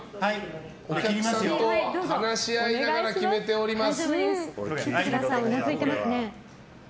お客さんと話し合いながら決めています。